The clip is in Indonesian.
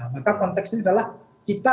maka konteks ini adalah kita